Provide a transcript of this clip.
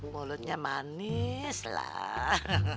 mulutnya manis lah